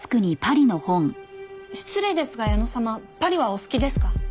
失礼ですが矢野様パリはお好きですか？